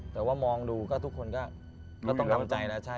แต่ว่ามองดูก็ทุกคนก็ต้องทำใจนะใช่